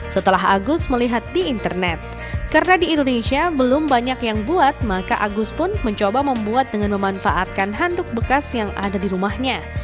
setelah agus melihat di internet karena di indonesia belum banyak yang buat maka agus pun mencoba membuat dengan memanfaatkan handuk bekas yang ada di rumahnya